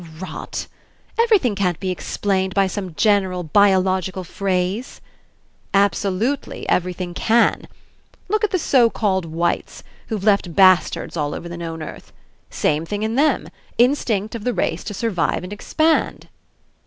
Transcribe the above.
"Rot ! Everything can't be explained by some general biological phrase." "Absolutely everything can. Look at the so called whites, who've left bastards all over the known earth. Same thing in them. In stinct of the race to survive and expand."